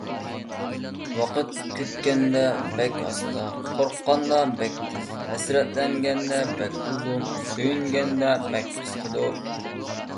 ۋاقىت كۈتكەندە بەك ئاستا، قورققاندا بەك تېز، ھەسرەتلەنگەندە بەك ئۇزۇن، سۆيۈنگەندە بەك قىسقىدۇر.